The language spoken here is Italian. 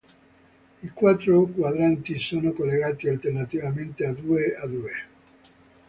I quattro quadranti sono collegati alternativamente a due a due.